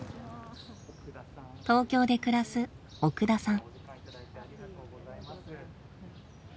東京で暮らす奥田さん。